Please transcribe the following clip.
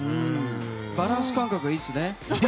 バランス感覚がいいですね。